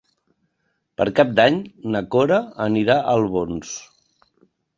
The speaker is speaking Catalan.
Per Cap d'Any na Cora anirà a Albons.